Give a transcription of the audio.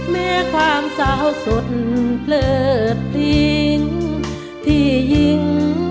แม้ความเศร้าสุดเปลือกลิ้งที่ยิง